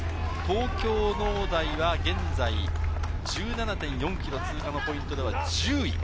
東京農大は現在、１７．４ｋｍ通過のポイントでは１０位。